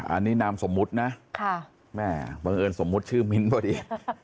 อันนี้นามสมมุตินะแม่บังเอิญสมมุติชื่อมิ้นพอดี